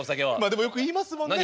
でもよく言いますもんね。